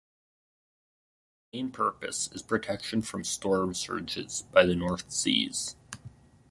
Its main purpose is protection from storm surges by the North Seas.